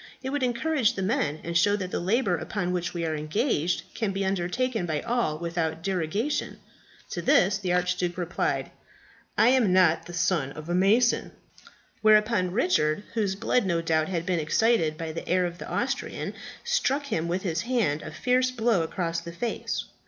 'It would encourage the men, and show that the labour upon which we are engaged can be undertaken by all without derogation.' "To this the Archduke replied, "'I am not the son of a mason!' "Whereupon Richard, whose blood no doubt had been excited by the air of the Austrian, struck him with his hand a fierce blow across the face.